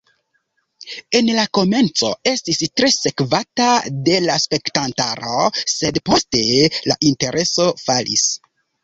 En la komenco estis tre sekvata de la spektantaro, sed poste la intereso falis.